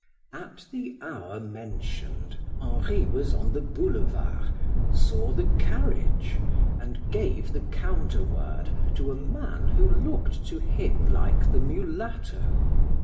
At the hour mentioned Henri was on the boulevard, saw the carriage, and gave the counter word to a man who looked to him like the mulatto.